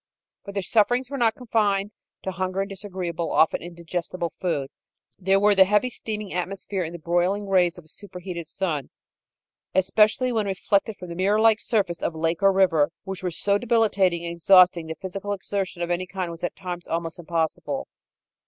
But their sufferings were not confined to hunger and disagreeable often indigestible food. There were the heavy steaming atmosphere and the broiling rays of a superheated sun, especially when reflected from the mirror like surface of lake or river, which were so debilitating and exhausting that physical exertion of any kind was at times almost impossible.